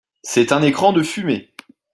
C’est un écran de fumée